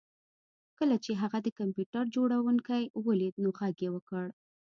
کله چې هغه د کمپیوټر جوړونکی ولید نو غږ یې وکړ